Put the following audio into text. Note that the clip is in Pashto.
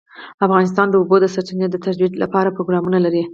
افغانستان د د اوبو سرچینې د ترویج لپاره پروګرامونه لري.